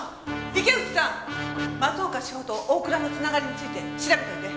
池内さん松岡志保と大倉のつながりについて調べておいて。